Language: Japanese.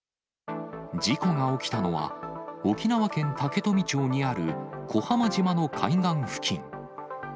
事故が起きたのは、沖縄県竹富町にある小浜島の海岸付近。